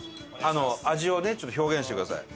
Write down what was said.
味をちょっと表現してください。